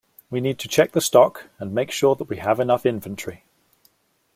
We need to check the stock, and make sure that we have enough inventory